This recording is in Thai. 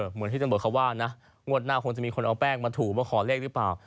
เหมือนที่ตำรวจเขาว่านะงวดหน้าคงจะมีคนเอาแป้งมาถูมาขอเลขหรือเปล่า